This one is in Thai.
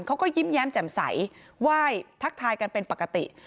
เขาก็ยิ้มแย้มแจ่มใสไหว้ทักทายกันเป็นปกติ